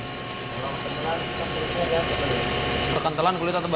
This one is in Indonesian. kalau kekentelan kulitnya tebal